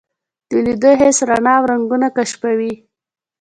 د لیدو حس رڼا او رنګونه کشفوي.